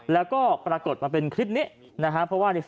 และกลับไปเป็นที่วัน